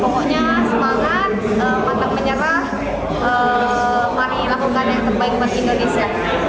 pokoknya semangat pantang menyerah mari lakukan yang terbaik buat indonesia